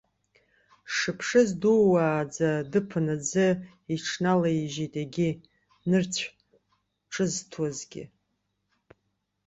Сшыԥшыз, дууаӡа дыԥан аӡы иҽналаижьит егьи, нырцә ҿызҭуазгьы.